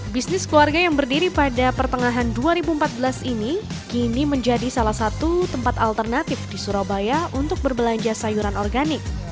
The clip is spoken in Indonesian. bisnis keluarga yang berdiri pada pertengahan dua ribu empat belas ini kini menjadi salah satu tempat alternatif di surabaya untuk berbelanja sayuran organik